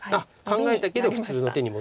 考えたけど普通の手に戻った。